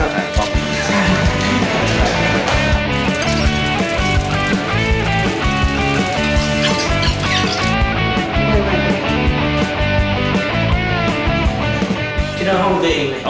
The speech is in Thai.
กินออกห้องตัวเองเลย